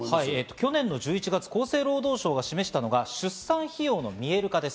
去年の１１月、厚生労働省が示したのが、出産費用の見える化です。